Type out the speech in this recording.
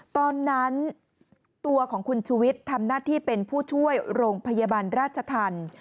ตอนนั้นตัวของคุณชุวิตทำหน้าที่เป็นผู้ช่วยโรงพยาบาลราชธรรม